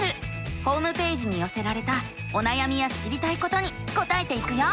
ホームページによせられたおなやみや知りたいことに答えていくよ。